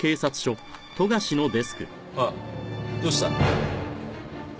ああどうした？